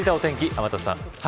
天達さん。